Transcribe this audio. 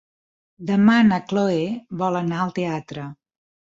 Demà na Chloé vol anar al teatre.